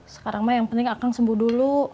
sekarang mah yang penting akan sembuh dulu